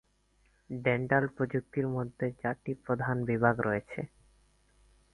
Dental প্রযুক্তির মধ্যে চারটি প্রধান বিভাগ রয়েছে।